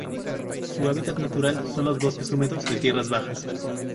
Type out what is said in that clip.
Su hábitat natural son los bosques húmedos de tierras bajas.